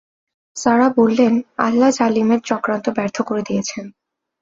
সারাহ্ বললেন, আল্লাহ জালিমের চক্রান্ত ব্যর্থ করে দিয়েছেন।